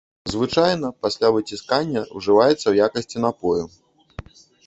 Звычайна, пасля выціскання, ужываецца ў якасці напою.